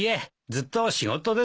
ずっと仕事です。